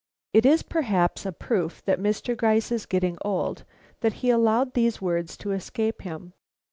It is perhaps a proof that Mr. Gryce is getting old, that he allowed these words to escape him.